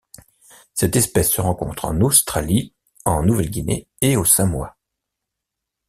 Cette espèce se rencontre au Australie, en Nouvelle-Guinée et aux Samoa.